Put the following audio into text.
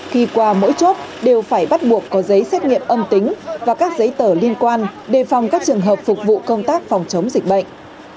khi qua mỗi chốt đều phải bắt buộc có giấy xét nghiệm âm tính và các giấy tờ liên quan đề phòng các trường hợp phục vụ công tác phòng chống dịch bệnh